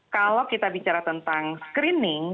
kalau kita bicara tentang screening